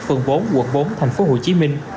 phường bốn quận bốn tp hcm